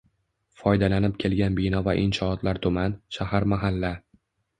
foydalanib kelgan bino va inshootlar tuman, shahar mahalla